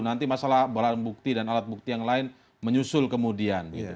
nanti masalah barang bukti dan alat bukti yang lain menyusul kemudian